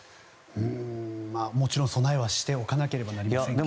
もちろん、備えはしておかなければなりませんね。